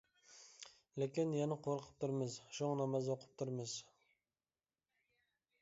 لېكىن، يەنە قورقۇپ تۇرىمىز، شۇڭا ناماز ئوقۇپ تۇرىمىز.